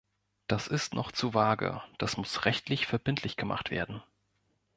Das ist noch zu vage, das muss rechtlich verbindlich gemacht werden.